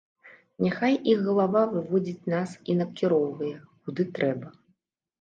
Няхай іх галава выводзіць нас і накіроўвае, куды трэба.